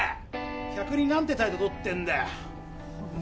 客に何て態度とってんだよね